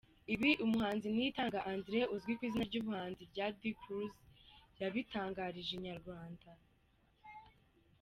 Ibi umuhanzi Niyitanga Andre uzwi ku izina ry’ubuhanzi rya D Cruz yabitangarije inyarwanda.